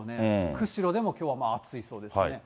釧路でもきょうは暑いそうですね。